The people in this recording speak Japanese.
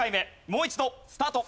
もう一度スタート。